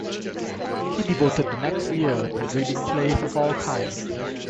He devoted the next year to reading plays of all kind.